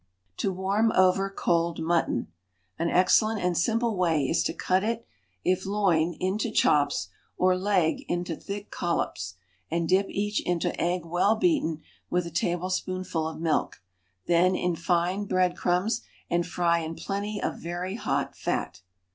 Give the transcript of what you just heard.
TO WARM OVER COLD MUTTON. An excellent and simple way is to cut it, if loin, into chops, or leg, into thick collops, and dip each into egg well beaten with a tablespoonful of milk, then in fine bread crumbs and fry in plenty of very hot fat.